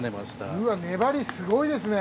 うわ粘りすごいですね！